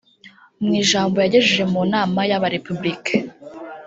Mu ijambo yagejeje mu nama y’Aba-Républicains